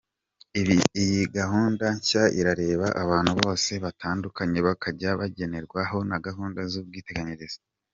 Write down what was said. Iyi gahunda nshya irareba abantu bose batandukanye batajyaga bagenrwaho na gahunda z’ubwiteganyirize.